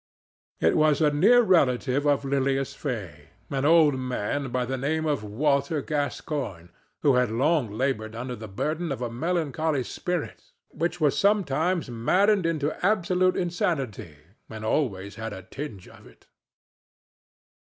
It was a near relative of Lilias Fay, an old man by the name of Walter Gascoigne, who had long labored under the burden of a melancholy spirit which was sometimes maddened into absolute insanity and always had a tinge of it.